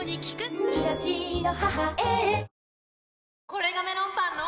これがメロンパンの！